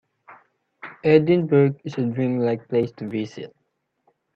Edinburgh is a dream-like place to visit.